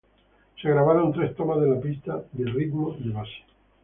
Se grabaron tres tomas de la pista de ritmo de base.